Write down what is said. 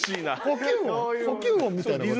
呼吸音みたいなもの？